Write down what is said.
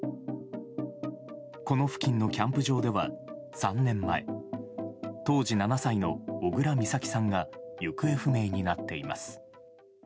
この付近のキャンプ場では３年前当時７歳の小倉美咲さんが行方不明になっています。